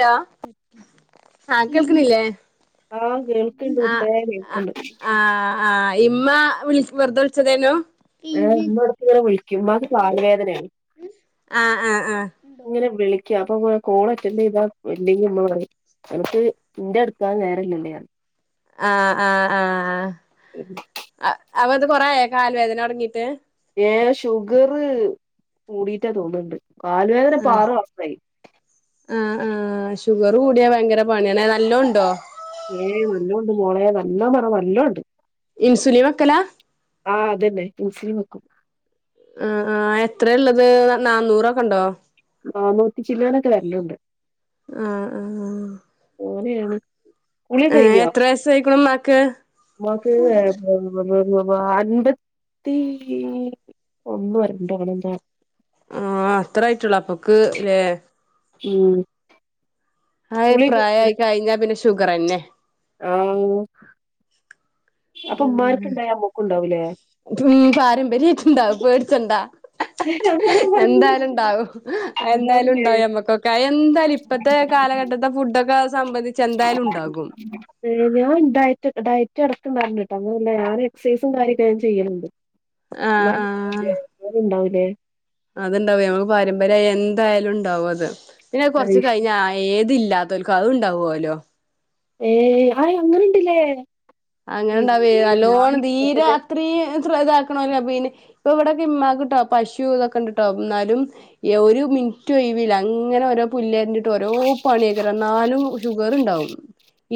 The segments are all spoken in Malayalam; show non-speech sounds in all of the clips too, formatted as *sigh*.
ഹലോ ആഹ് കേൾക്കണില്ലേ ആഹ് കേൾക്ക്ണ്ട് ആഹ് മുത്തേ ആഹ് കേൾക്ക്ണ്ട് ആ ആ ഇമ്മ വിളി വെറുതെ വിളിച്ചതേനോ ഏ ഇമ്മ ഇടെക്കിങ്ങനെ വിളിക്കും ഉമ്മാക്ക് കാലു വേദനയാണ് ആ ആ ആ ഇങ്ങനെ വിളിക്കാം അപ്പ പ കോൾ അറ്റൻഡ്ചെയ്താ ഇല്ലെങ്കി ഉമ്മപറയും അനക്ക് ഇന്റെ എടുക്കാൻ നേരല്ലില്ലല്ലേ അറിയും ആ ആ ആ ആ അപ്പൊത് കൊറെയായോ കാലുവേദന തൊടങ്ങീട്ട് ഏ ഷുഗർ കൂടിട്ടാ തോന്നുന്നൊണ്ട് കാലുവേദന ഇപ്പോ ആറുവർഷായി ആ ആ ഷുഗറുകൂടിയാ ഭയങ്കരപണിയന്നെ നല്ല ഒണ്ടോ ഏ നല്ലൊണ്ടുമോളെ നല്ലോം പറഞ്ഞാ നല്ലൊണ്ട് ഇൻസുലിൻ വെക്കലാ ആ അതന്നെ ഇൻസുലിൻ വെക്കും ആ ആ എത്രയാ ഒള്ളത് നാന്നൂറൊക്കൊണ്ടോ നാന്നൂറ്റിചില്ലാനൊക്കെ വരലൊണ്ട് ആ ആ ഓനെയാണ് കുളിയൊക്കെ കഴിഞ്ഞോ എത്ര വയസ്സായിക്കണു ഉമ്മാക്ക് ഉമ്മാക്ക് അൻമ്പത്തി ഒന്നോ രണ്ടോ അങ്ങനെയെന്തോവാ ആ അത്രേ ആയിട്ടൊള്ളുള്ളു അപ്പക്ക് ലേ ഉം ആയി കുളിയൊക്കെ പ്രായായികഴിഞ്ഞാപിന്നെ ഷുഗറന്നെ ആ അപ്പൊ ഉമ്മാരുക്കൊണ്ടായ അമ്മക്കൊണ്ടാവൂലേ ഉം പാരമ്പര്യായിട്ട് ഇണ്ടാകും പേടിച്ചണ്ടാ *inaudible* എന്തായാലും ഉണ്ടാവും എന്തായാലും ഉണ്ടാവില്ലേ ഉണ്ടായമ്മക്കൊക്കെ അയ് എന്തായാലും ഇപ്പത്തെ കാലഘട്ടത്തെ ഫുഡൊക്കെ സംബന്ധി *inaudible* ഏ ഞാൻ ഡയറ്റ് ഡയറ്റെടക്കണ്ടായിണ്ട് കേട്ടോ അങ്ങനല്ല ഞാന് എക്സൈസും കാര്യൊക്കെ ഞാൻ ചെയ്യണുണ്ട് ആഹ് എന്നാല് എന്നാലൊണ്ടാവൂലേ അതൊണ്ടാവും ഞങ്ങൾക്ക് പാരമ്പര്യായി എന്തായാലും ഉണ്ടാവും അതുപിന്നെ കൊറച്ച് കഴിഞ്ഞ ആ ഏത് ഇല്ലാത്തോൽക്കും അത് ഉണ്ടാവുവോലോ ഏയ് ആയ് അങ്ങനുണ്ട്ല്ലേ അങ്ങനൊണ്ടാവേ നല്ലോണം ദീര തന്നെ ഇത്രേയും ഫ്രി ഇതാക്കണോല്ലൊ പിന്നെ ഇപ്പം ഇവിടെക്കെ ഇമ്മാക്കിട്ടോ പശൂ ഇതൊക്കെ ഉണ്ടിട്ടോ എന്നാലും ഒരു മിൻറ്റും ഒഴിവില്ല അങ്ങനെ ഓരോ പുല്ലെരണ്ടിട്ട് ഒരോ പണിയക്കറ എന്നാലും ഷുഗറ് ഉണ്ടാവും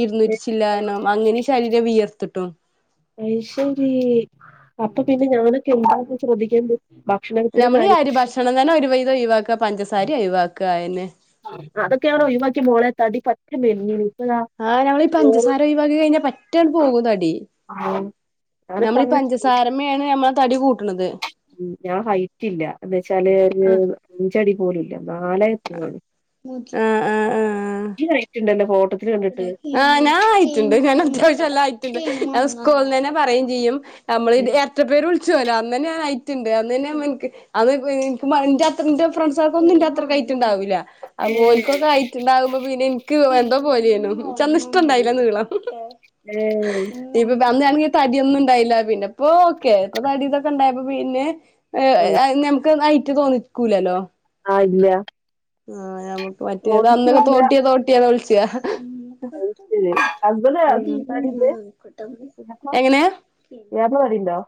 ഇരുന്നൂറ്റി ചില്ലാനം അങ്ങനെ ശരീരം വീർത്തിട്ടും അയ്ശെരീ അപ്പം പിന്നെ ഞാനൊക്കെ എന്താന്ന് വെച്ചാ ശ്രദ്ധിക്കേണ്ടെ ഞമ്മളീ അരിഭക്ഷണം തന്നെ ഒരു വൈതം ഒഴിവാക്കാ പഞ്ചസാരയും ഒഴിവാക്കാ അയന്നെ അതൊക്കെ ഞാന് ഒഴിവാക്കിമോളെ തടി പറ്റെ മെലഞ്ഞിണ് ആ ഞങ്ങളീ പഞ്ചസാര ഒഴിവാക്കികഴിഞ്ഞാ പറ്റാണ്ട് പോവും തടി *inaudible* ഞാനിപ്പോ നമ്മളീ അങ്ങനെ ചെയ്യും. പഞ്ചസാരമ്മെയാണ് നമ്മളെതടികൂട്ടണത് ഉം ഞാൻ ഹൈറ്റില്ല എന്നു വെച്ചാല് ഒരു അഞ്ചടി പോലും ഇല്ല നാലെ പൂച്ചാ ആ ആ ആ ഈ റെയ്റ്റുണ്ടല്ലോ ഫോൺ സോപ്പിടാക്കി ആ ഞാൻ ഹൈറ്റുണ്ട് ഞാൻ അത്യാവശ്യം എല്ലാം ഹൈറ്റുണ്ട് അവൻ സ്കൂളന്നെ പറയേംചെയ്യും നമ്മളിത് എരട്ടപേര് വിളിച്ച് പോവല്ല് അന്നുതന്നെ ഞാൻ ഹൈറ്റുണ്ട് അന്നുതന്നെ മോൻക്ക് അന്ന് എനിക്ക് *unintelligible* എന്റെ അത്ര എന്റെ ഫ്രണ്ട്സാർക്കൊന്നും എന്റെ അത്രക്ക് ഹൈറ്റുണ്ടാവൂല്ല ആ ഏ ഓൽക്കൊക്കെ ഹൈറ്റുണ്ടാവുമ്പം പിന്നെ എനിക്ക് എന്തോ പോലെയാണു ച്ചന്ന് ഇഷ്ടം ഉണ്ടായില്ല നീളം ഏ ദിപ്പപ്പ അന്നാണെങ്കി തടിയൊന്നും ഉണ്ടായില്ല പിന്നെ ഇപ്പൊ ഓക്കെ ഇപ്പം തടി ഇതൊക്കെ ഉണ്ടായപ്പം പിന്നെ ഏ അയ് ഞമക്ക് ഹൈറ്റ് തോന്നിക്കൂലല്ലോ ആ ഇല്ല ആഹ് ഞമക്ക് മറ്റേത് അന്നൊക്കെ ചോദിക്കൂല്ല തോട്ടിയെ തോട്ടിയെന്ന വിളിച്ചാ അയ്ശെരി ഹസ്ബന്റ് തടിണ്ട് പിന്നെത്താ എങ്ങനെ ഇയ്യാക്ക് തടി ഇണ്ടോ?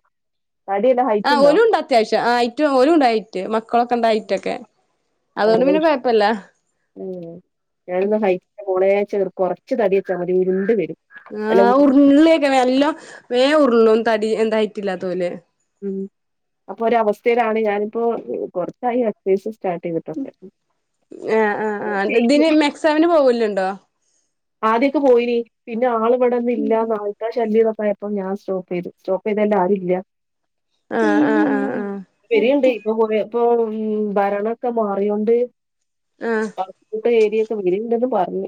തടി ഇട് ഹൈ ആഹ് ഓലും ഉണ്ട് അത്യാവശ്യം ആഹ് ഹെറ്റും ഓലും ഉണ്ട് ഹൈറ്റ് മക്കളൊക്കെ ഉണ്ട് ഹൈറ്റൊക്കെ അതുകൊണ്ട് പിന്നെ കൊഴ പ്പല്ല ഉം ഞാനൊന്നും ഹൈറ്റില്ല മോളെ ഇച്ച് കൊറച്ച് തടി വെച്ചാ മതി ഉരുണ്ട് വെരും ആഹ് ഉർളെയ്ക്കാരം നല്ലോം വേം ഉർളും തടി എന്താ ഹെറ്റില്ലാത്തോല് ഉം അപ്പ ഒര് അവസ്ഥയിലാണ് ഞാനിപ്പോ കൊറച്ചായി എക്സൈസ് സ്റ്റാർട്ടെയ്ത് ആ ആഹ് ആഹ് ചെയ്യും ഇതിന് മെക്സവിന് പോവലുണ്ടോ? ആദ്യൊക്കെ പോയിനി പിന്നെ ആൾ ഇവിടെന്നും ഇല്ല നായ്ക്കളെ ശല്യായൊക്കെ ആയപ്പോ ഞാൻ സ്റ്റോപ്പ് ചെയ്തു സ്റ്റോപ്പ് ചെയ്ത അല്ല ആരും ഇല്ല ആഹ് ആഹ് ആഹ് പെരിയുണ്ട് ഇപ്പം കൊറേ ഇപ്പം ഭരണൊക്കെ മാറിയോണ്ട് ആഹ് ഇപ്പ ഏരിയൊക്കെ വര്ണ്ടെന്ന് പറഞ്ഞ്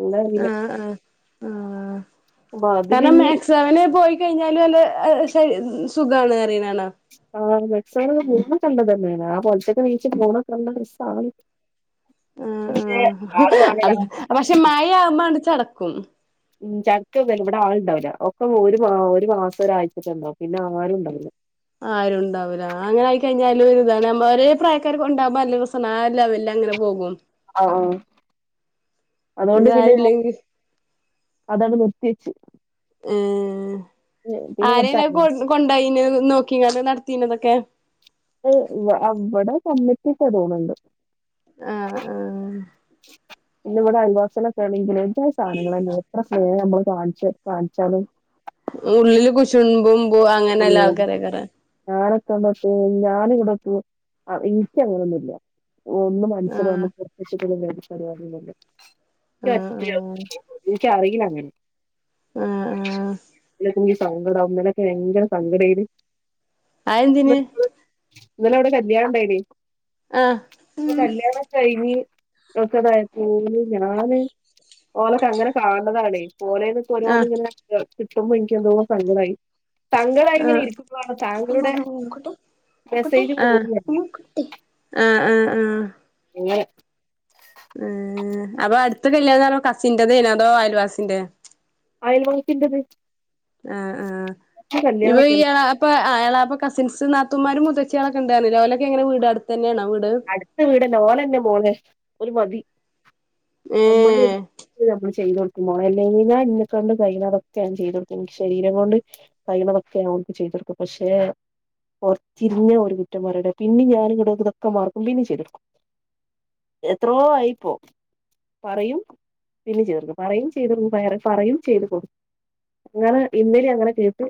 എന്താറീല ആഹ് ആഹ് ആ അപ്പൊ സ്ഥലം അതിലിഞ്ഞി മേക്സ് സെവന് പോയി കഴിഞ്ഞാല് വല്ല ശരി സുഖാണ് അറിണാണ ആഹ് മെക്സവണ് പോണൊക്കെ നല്ലതന്നെയാണ് ആ പൊൽച്ചക്ക് നീച്ച് പോണ കണ്ട രസാണ് പക്ഷെ ആഹ് ആള് വാണടാ ആഹ് അ പക്ഷെ മഴയാവുമ്പങ്ങട് ചടക്കും ഉം ചടക്കൊന്നല്ല ഇവടെ ആൾണ്ടാവുല ഒക്ക ഒരു മാ ഒരു മാസം ഒരാഴ്ച്ചക്കെ ഇണ്ടാവും പിന്നെ ആരും ഇണ്ടാവുല ആരുംണ്ടാവൂല്ല അങ്ങനെ ആയി കഴിഞ്ഞാല് ഒരിതാണ് അമ്മ ഒരേ പ്രായക്കാർക്ക് ഉണ്ടാവുമ്മ്മ്പൊ നല്ലരെസാണ് ആ ഒര് ലെവൽങ്ങനെ പോകും ആഹ് ആഹ് ഇത് അതോണ്ട് പിന്നെ ഞാൻ ആരുല്ലെങ്കി അതാണ് നിർത്തിയെച്ച് ഏഹ് പിന്നെ ആരേം കൊ *unintelligible* കൊണ്ടായിന് നോക്കിങ്ങാണ്ട് നടത്തീനതൊക്കെ അത് അവ്വടെ കമ്മറ്റിയൊക്കെ തോന്ന്ണ്ട് ആഹ് ആഹ് പിന്നെ ഇവിടെ അൽവാസികളൊക്കെ ആണെങ്കില് ഒര്ജാതി സാധനങ്ങളാണി എത്ര ഏ ഞമ്മള് കാണിച്ചു കാണിച്ചാലും ഉള്ളില് കുശുമ്പും മ്പോ അങ്ങനെല്ല ആൾക്കാരെ കാരം ഞാനൊക്കെന്നോക്കിയേ ഞാന് ഇങ്ങടൊക്ക് ഇൻക്ക് അങ്ങനൊന്നുല്ല ഒന്നും മനുഷ്യൻ ആഹ് ഒന്നും പ്രത്യക്ഷപെടുന്ന ഒര് പരിപാടിയൊന്നുല്ല ആഹ് സത്യം ഇക്കറീല അങ്ങനെ ആഹ് ആഹ് *unintelligible* സങ്കടം ഇന്നലൊക്കെ ഭയങ്കര സങ്കടെയ്നിം ആഹ് അതെന്തിന് ഇന്നലെവ്ടെ കല്യാണം ഇണ്ടായിനിം ആഹ് അപ്പൊ കല്യാണൊക്കെ കഴിഞ്ഞ് ഓക്കേതായപ്പോ *unintelligible* ഞാന് ഓലൊക്കെ അങ്ങനെ കാണ്ന്നതാണേ ഓലെന്ന് ഇപ്പൊ ഓരോന്ന് ആഹ് ഇങ്ങനെ കിട്ടുമ്പോ ഇൻക്ക് എന്തോ സങ്കടായി സങ്കടായി ഇങ്ങനെ ആഹ് ഇരിക്കുമ്പോഴാണ് താങ്കളുടെ ആഹ് മെസ്സേജും ആഹ് കോളും കണ്ടത്. ആഹ് ആഹ് ഇന്ന് ഏഹ് അപ്പൊ അട്ത്ത കല്ല്യാണം ന്നറയ്മ്പോ കസിന്റെതേയ്നൊ അതോ അയൽവാസിന്റെ അയൽവാസിന്റെത് ആഹ് ആഹ് ഇപ്പോ ഈ കല്യാണൊക്കെണ്ട്. എളാ പ്പ എളാപ്പ കസിൻസ് നാത്തുമാരും മൂത്തച്ചിയാളൊക്കെ ഇണ്ട് പറഞ്ഞില്ലേ ഓലൊക്കെ എങ്ങനെ വീട് അടുത്ത് തന്നേണോ വീട് അട്ത്ത വീടന്നെ ഓലെന്നെ മോളെ, ഓല് മതി ഞമ്മള് ഏഹ് ഞമ്മള് ചെയ്ത് കൊട്ക്കും മോളെ അല്ലെങ്കിൽ ഞാ ഇന്നെക്കാണ്ട് കഴിയ്യ്ന്നതൊക്കെ ഞാൻ ചെയ്ത കൊടുക്കും ഇൻ്റെ ശരീരം കൊണ്ട് കയ്യ്ണതൊക്കെ ഞാൻ ഓൾക്ക് ചെയ്തുകൊടുക്കും പക്ഷെ പൊറത്തിന്നെ ഓല് കുറ്റം പറയണെ പിന്നിം ഞാന് ഇങ്ങട്ടോക്ക് ഇതൊക്കെ മാർക്കും പിന്നിം ചെയ്തൊടുക്കും എത്രോ ആയിപ്പോ പറയും പിന്നിം ചെയ്തുകൊടുക്കും പറയും ചെയ്തുകൊടുക്കും പയറി പറയും ചെയ്തുകൊടു ഇങ്ങള് ഇന്നലിം അങ്ങനെ കേട്ട്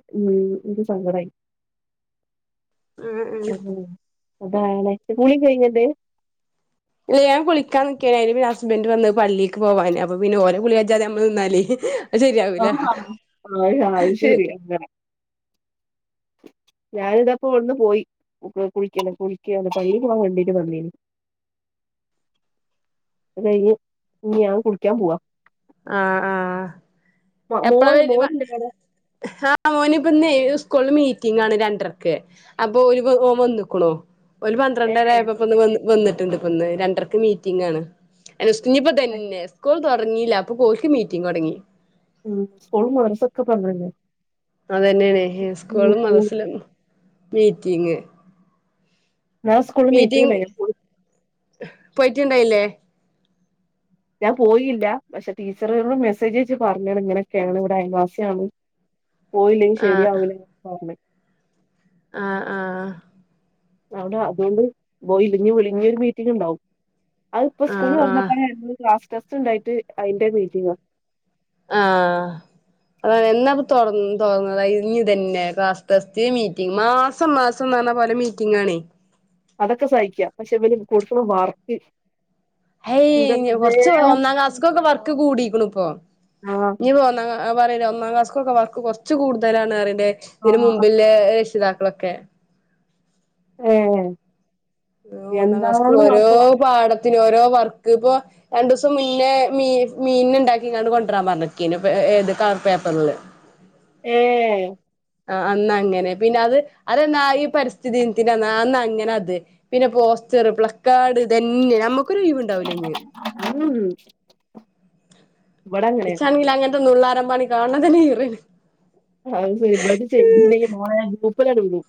ഇൻക്ക് സങ്കടായി ആഹ് ആഹ് *unintelligible* കുളി കൈഞ്ഞൻ്റെ ഇല്ല്യാൻ കുളിക്കാൻ നിക്കേനി അയ്ല് പിന്നെ ഹസ്ബൻഡ് വന്ന് പള്ളീക്ക് പോവാന് അപ്പൊ പിന്നെ ഓലെ കുളി കജ്ജാതെ നമ്മള് നിന്നാലെ അഹ് ശര്യാവൂല ആഹ് ആഹ് *unintelligible* ഞാനിതാപ്പോട്ന്ന് പോയി കുളിക്കല്ലെ കുളിക്കാ പള്ളീ പോവാൻ വേണ്ടീട്ട് വന്നേനി അത് കൈഞ്ഞ് ഇഞ്ഞ്യാ കുളിക്കാൻ പൂവാ ആഹ് ആഹ് എപ്പ്ളാ മോന് വെര് വ മോന്ണ്ട് ഹാ ആഹ് മോന് ഇപ്പന്നെ സ്കൂള് മീറ്റിംഗാണ് രണ്ട്രക്ക് അപ്പോലിപ ഓവന്ന്ക്ക്ണു ഓല് ഏ പന്ത്രണ്ടര ആയപൊപ്പൊന്ന് വന്ന് വന്നിട്ടിണ്ട് ഇപ്പന്ന് രണ്ട്രക്ക് മീറ്റിംഗാണ് അൽസ് ഇഞ്ണിപ്പതന്നെ സ്കൂൾ തൊർങ്ങീല്ല അപ്പൊക്കോൽക്ക് മീറ്റിങ്ങൊടങ്ങി ഉം സ്കൂളും മറസൊക്കെ ഇപ്പം അങ്ങനെന്നെ അതെന്നേണെ ഇസ്കൂളും മദ്രസ്ലും മീറ്റിംഗ് ഞാൻ സ്കൂളിൽ മീറ്റിംഗ് ഉണ്ടായിരുന്നു പോയ്റ്റിണ്ടായ്ലേ ഞാൻ പോയീല്ല പഷെ ടീച്ചറോട് മെസ്സേജയ്ച്ച് പർഞ്ഞീണ് ഇങ്ങനൊക്കേണ് ഇവ്ടയൽവാസ്യാണ് പോയില്ലെങ്കിൽ ആഹ് ശരിയാവൂലാന്ന് പറഞ്ഞ് ആഹ് ആഹ് അവ്ട അതോണ്ട് പോയില്ലെങ്കി വിളി ഇഞ്ഞ്യൊരു മീറ്റിംഗിണ്ടാവും അ പ്പൊ സ്കൂള് ആഹ് തൊർന്ന ആഹ് *unintelligible* ക്ലാസ്സ് ടെസ്റ്റിണ്ടായ്ട്ട് അയിന്റെ മീറ്റിംഗ ആഹ് അതാണ് എന്നാപ്പ തൊർ തൊർന്നത് അ ഇഞ്ഞിതെന്നെ ക്ലാസ് ടെസ്റ്റ് മീറ്റിംഗ് മാസ് സം മാസന്നർഞ്ഞ പല മീറ്റിംഗാണേ അതൊക്കെ സൈക്ക പഷെ ഇവല് കൈട്ക്കിണെ വർ ഹെയ് കൊർച്ച് ഒന്നാം ക്ലാസ്കൊക്കെ വർക്ക് കൂടീക്ക്ണുപ്പൊ ആഹ് ഇഞിപ്പൊന്നാ ആ പറീണെ ഒന്നാ ക്ലാസ്കൊക്കെ വർക്ക് കൊർച്ച് കൂട്തലാണറീണ്ടെ ഇന് ആഹ് മുമ്പില്ലെ ഷിതാക്കളൊക്കെ ഏഹ് ഊന്നാം ക്ലാസ്ക് എന്താണ് ഓരോ വർക്ക് പാടത്തിനു ഓരോ വർക്ക് ഇപൊ രണ്ടൂസം മുന്നേ മീ മീന്നെ ഇണ്ടാക്കീങ്ങാണ്ട് കൊണ്ട്രാൻ പർഞ്ഞെക്കീന് പ എ ഏത് കളർ പേപ്പർല് ഏഹ് ആഹ് അന്നങ്ങനെ പിന്നെ അത് അതെന്നാ ഈ പരിസ്ഥിതി ദിൻത്തിൻ്റന്ന് ആ അന്നങ്ങനെ അത് പിന്നെ പോസ്റ്ററ് പ്ലക്കാഡ് ഇതെന്നെ നമ്മക്കൊരു ഒയ്വിണ്ടാവ്ലഞ്ഞ് ഉം ഇവിടെ അങ്ങനെ ഇച്ചാണെങ്കിലങ്ങൻത്തെ നുള്ളാരമ്പണി കാണ്ണതെന്നെ ഈറേണ് അഹ് സെരി ഇബൽത് ചെയ്തിലെയ് മോളേ ഗ്രൂപ്പിലണ് വിടും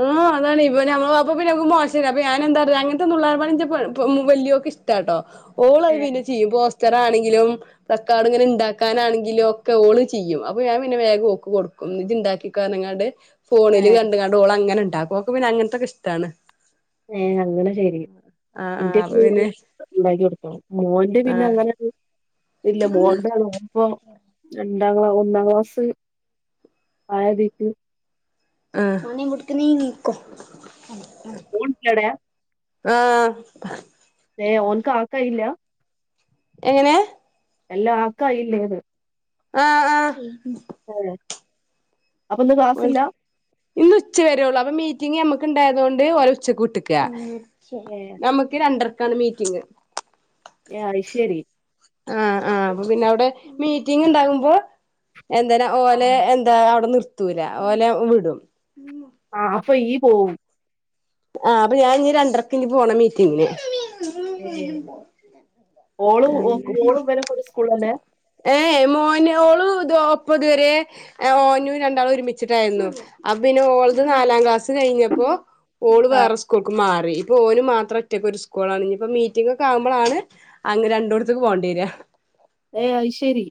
ഉം അതാണേ ഇപ്പ ഞമ്മ്ള് അപ്പ പിന്ന മക്ക് മോശല്ല അപ്പ ഞാനെന്താട്ടു അങ്ങൻത്തെന്നുള്ളാരപ്പണി ഇഞ്ചെ പെ വല്ല്യോക്കിഷ് ടാട്ടോ ഓളത് ഏ പിന്നെ ചെയ്യും പോസ്റ്റെറാണെങ്കിലും പ്ലക്കാടിങ്ങനെ ഇണ്ടാക്കാനാണെങ്കിലും ഒക്കെ ഓള് ചെയ്യും അപ്പ ഞാൻ പിന്നെ വേഗം ഓക്ക് കൊട് ക്കും ഇജ്ജ് ഇണ്ടാക്കിക്കോ അർഞ്ഞിങ്ങാണ്ട് ഏ ഫോണില് കണ്ടിങ്ങാണ്ട് ഓളങ്ങനെണ്ടാക്കു ഓക്ക് പിന്നങ്ങൻത്തൊക്കെ ഇഷ്ടാണ് ഏഹ അങ്ങനെ ശരി ആഹ് ന്റെ ആഹ് പി അപ്പൊ ഞ പിന്നെ ഇണ്ടാക്ക്യൊട്ത്തോ മോന്റെ ആഹ് പിന്നങ്ങനെ ഇല്ല മോൻ്റെ *unintelligible* രണ്ടാങ്ക്ലാ ഒന്നാങ്ക്ലാസ് ആയതീക്ക് ആഹ് ഓൺ *unintelligible* ആഹ് ഏഹ് ഓൻക്കാക്കയില്ല എങ്ങെനെ എല്ലാക്കായില്ലേന്ന് ആഹ് ആഹ് ഏഹ് അപ്പൊന്ന് ക്ലാസില്ല ഓൽക്ക് ഇന്ന് ഉച്ച വരെ ഒള്ളു അപ്പ മീറ്റിംഗ് അമ്മക്കിണ്ടായ്തോണ്ട് ഓലെ ഉച്ചക്ക് വിട്ട്ക്ക ഏ നമുക്ക് രണ്ടർക്കാണ് മീറ്റിംഗ് യാ അയ് ശരി ആഹ് ആഹ് അപ്പൊ പിന്നെ അവിടെ മീറ്റിംങ്ങ് ഇണ്ടാകുമ്പോ എന്താന് ആ ഓലെ എ ഇതായാ അവിടെ നിർത്തൂല ഓലെ വിടും ആഹ് അപ്പൊ ഈയ്യ് പോവും ആഹ് അപ്പൊ ഞാൻ ഇന്നി രണ്ടരക്ക് ഇനി പോണം മീറ്റിങ്ങിന് ഏഹ് ഓളും ഓളും ഇവനൊക്കെ ഒരു സ്‌കൂളിലന്നേ ഏഹ് മോന് ഓള് ഇത് *unintelligible* ആഹ് ഓനും രണ്ടാളും ഒരുമിച്ചിട്ടായിരുന്നു അപ്പ പിന്നെ ഓളത് നാലാം ക്ലാസ് കഴിഞ്ഞപ്പോ ഓള് ആ വേറെ സ്കൂൾക്ക് മാറി ഇപ്പൊ ഓന് മാത്രം ഒറ്റക്ക് ഒരു സ്കൂളാണ് ഇനിപ്പ മീറ്റിംഗ് ഒക്കെ ആകുമ്പളാണ് അങ്ങ് രണ്ടൂട്ത്ത്ക്ക് പോണ്ടി വരാ ഏഹ് അയ് ശരി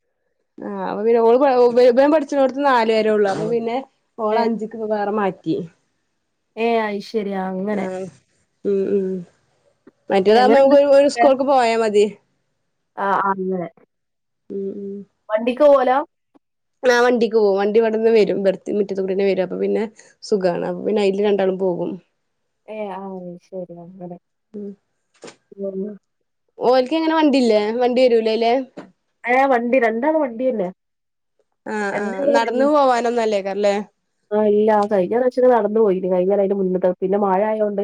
ആഹ് അപ്പ പിന്നെ ഓൾക്ക് *unintelligible* ഇവ ഇവളും പഠിച്ചോടത്ത് നാല് വരെ ഉള്ളു അപ്പൊ പിന്നെ ഓള ഏ അഞ്ചിക്ക് വേറെ മാ റ്റി ഏഹ് അയ്ഷ് ആഹ് ഉം ഉം മറ്റേതാകുമ്പോ എങ്ങനെണ്ട് നമ്മക്ക് ഒരു ഒരു സ്കൂൾക്ക് പോയാ മതി ആഹ് അങ്ങനെ ഉം ഉം വണ്ടിക്ക് പോവലാ ആഹ് വണ്ടിക്ക് പോവും വണ്ടി ഇവടെന്ന് വരും ഇവ്ടത്തെ ഈ മുറ്റത്തൂ കൂടി തന്നെ വരും അപ്പൊ പിന്നെ സുഖാണ് അപ്പൊ പിന്നെ അയില് രണ്ടാളും പോകും ഏഹ് അയ് ശരി അങ്ങന പിന്നെന്നാ ഓൽക്ക് എങ്ങനെ വണ്ടില്ലേ വണ്ടി വരൂലേ അയിലെ ആഹ് വണ്ടി രണ്ടാളും വണ്ടിയന്ന ആഹ് എന്താ ആഹ് നടന്നു *unintelligible* പോവാനൊന്നും അല്ലേക്കാരല്ലേ ആഹ് ഇല്ല ആഹ് കഴിഞ്ഞ പ്രവശ്യാക്കെ നടന്ന് പോയിന് കഴിഞ്ഞേനും അതിന്റെ മുന്നത്തതും പിന്നെ മഴ ആയത് കൊണ്ട്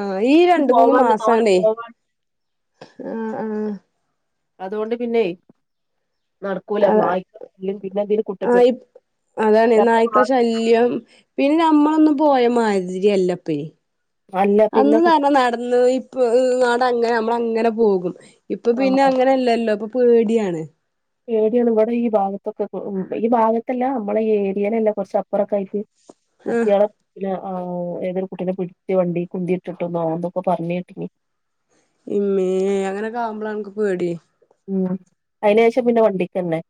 ആഹ് ഈ രണ്ട് മൂന്ന് മാസണ്ടെ പോവാണ്ട് ആഹ് ആഹ് അതു കൊണ്ട് പിന്നെ നടക്കൂല നായ്ക്കളും പിന്നെ അതില് ആഹ് *unintelligible* ഇ അതാണ് നായ്ക്കളെ ശല്യം പിന്നെ അമ്മളൊന്നും പോയ മാതിരിയല്ല ഇപ്പൊഴ്‌ അല്ല അന്ന് പിന്നെ ന്ന് കു പറഞ്ഞാ നടന്ന് പോയി *unintelligible* അങ്ങനെ അമ്മള് അങ്ങന പോകും ഇപ്പൊ ആ പിന്നെ അങ്ങനെല്ലല്ലോ ഇപ്പൊ പേടിയാണ് പേടിയാണ് ഇവടെ ഈ ഭാഗത്തൊക്കെ ഇപ്പൊ ഈ ഭാഗത്തല്ല അമ്മള ഈ ഏരിയയിലല്ല കൊറച്ച് അപ്പുറൊക്കെ ആയിട്ട് ആഹ് കുട്ട്യള പിന്ന ആഹ് ഏതൊരു കുട്ടീനെ പിടിച്ച് വണ്ടീക്ക് ഉന്തി ഇട്ടിട്ടൊന്നോ എന്തൊക്കൊ പറഞ്ഞ് കേട്ട്ക്കണ് ഇമ്മേ അങ്ങനൊക്കെ ആവുമ്പളാണ് എനിക്ക് പേടി *unintelligible* അയിനേഷം പിന്നെ വണ്ടിക്കന്നെ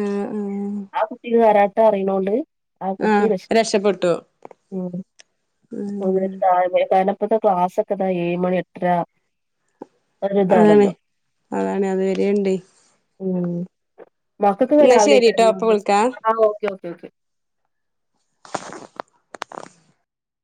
ആഹ് ആഹ് ആ കുട്ടിക്ക് കരാട്ട അറിയണോണ്ട് ആ കുട്ടി ആഹ് രഷ് രക്ഷപ്പെട്ടു *unintelligible* ഉം *unintelligible* കാരണം ഇപ്പത്ത ക്ലാസ്സൊക്കെ ഇതാ ഏഴ്‌ മണി എട്ടരാ അതാണ് അതാണ് അത് വരേ ഇണ്ട് ഉം മക്കക്ക്പ്പ എന്നാ രാവിലെ ശരിട്ടോ അപ്പൊ *unintelligible* വിളിക്കാം ആഹ് ഒക്കെ ഒക്കെ ഓക്കെ